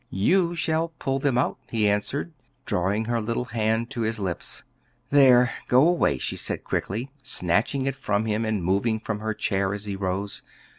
"You shall pull them out," he answered, drawing her little hand to his lips. "There, go away," she said quickly, snatching it from him and moving from her chair as he rose.